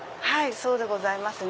そうでございますね。